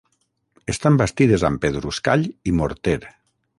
Estan bastides amb pedruscall i morter.